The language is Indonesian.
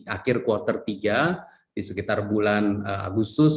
akhir quarter tiga di sekitar bulan agustus